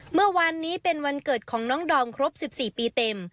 เมื่อวานนี้เป็นวันเกิดของน้องดอมครบ๑๔ปีเต็ม